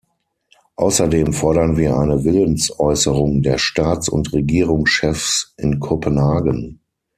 Außerdem fordern wir eine Willensäußerung der Staats- und Regierungschefs in Kopenhagen.